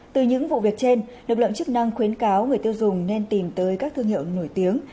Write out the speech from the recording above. từ những vụ việc trên lực lượng chức năng khuyến cáo người tiêu dùng nên tìm tới các thương hiệu nổi tiếng